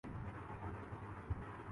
میں بالکل ٹھیک ٹھاک ہوں